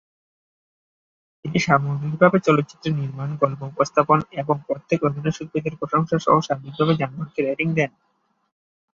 তিনি সামগ্রিকভাবে চলচ্চিত্রের নির্মাণ, গল্প উপস্থাপন এবং প্রত্যেক অভিনয়শিল্পীদের প্রশংসা সহ সার্বিকভাবে "জানোয়ার"কে রেটিং দেন।